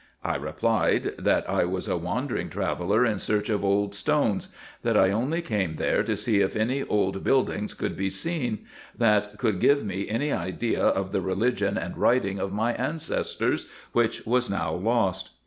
I replied, that I was a wandering traveller in search of old stones ; that I only came there to see if any old buildings could be seen, that could give me any idea of the religion and writing of my ancestors, which was now lost.